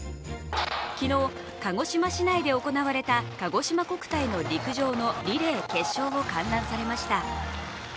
昨日、鹿児島市内行われたかごしま国体陸上のリレー決勝を観覧されました。